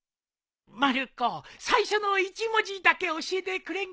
まる子最初の１文字だけ教えてくれんかのう。